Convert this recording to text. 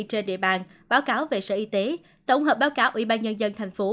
trên địa bàn báo cáo về sở y tế tổng hợp báo cáo ủy ban nhân dân thành phố